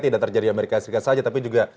tidak terjadi amerika serikat saja tapi juga